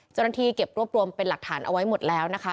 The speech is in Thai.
เจ้าหน้าที่เก็บรวบรวมเป็นหลักฐานเอาไว้หมดแล้วนะคะ